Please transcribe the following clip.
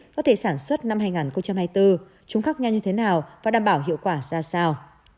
có thể sản xuất năm hai nghìn hai mươi bốn chúng khác nhau như thế nào và đảm bảo hiệu quả ra sao